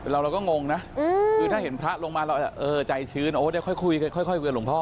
เราก็งงนะคือถ้าเห็นพระลงมาเราจะใจชื้นโอ้เดี๋ยวค่อยคุยค่อยคุยกับหลวงพ่อ